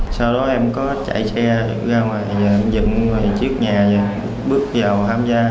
sau đó em có chạy xe ra ngoài dựng trước nhà bước vào tham gia